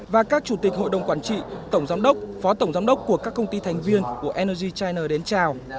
và các chủ tịch hội đồng quản trị tổng giám đốc phó tổng giám đốc của các công ty thành viên của energy china đến chào